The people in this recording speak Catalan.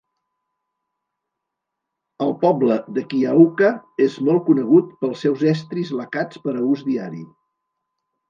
El poble de Kyaukka és molt conegut pels seus estris lacats per a ús diari.